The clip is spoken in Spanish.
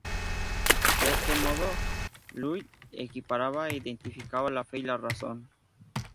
De este modo, Llull equiparaba e identificaba la fe y la razón.